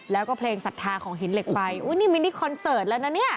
แล้วก็เพลงศรัทธาของหินเหล็กไฟอุ้ยนี่มินิคอนเสิร์ตแล้วนะเนี่ย